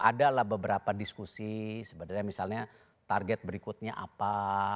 adalah beberapa diskusi sebenarnya misalnya target berikutnya apa